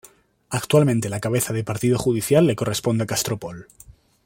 Actualmente la cabeza de partido judicial le corresponde a Castropol.